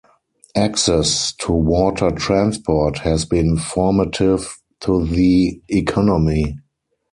Access to water transport has been formative to the economy.